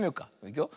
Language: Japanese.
いくよ。